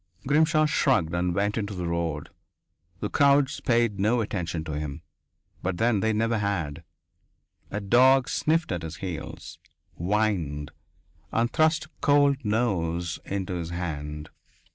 Grimshaw shrugged and went into the street. The crowds paid no attention to him but then, they never had. A dog sniffed at his heels, whined, and thrust a cold nose into his hand.